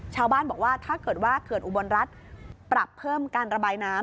ชาวบ้านบอกว่าถ้าเกิดว่าเขื่อนอุบลรัฐปรับเพิ่มการระบายน้ำ